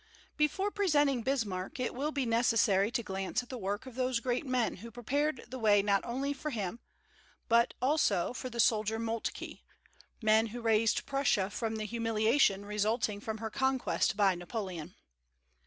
Before presenting Bismarck, it will be necessary to glance at the work of those great men who prepared the way not only for him, but also for the soldier Moltke, men who raised Prussia from the humiliation resulting from her conquest by Napoleon.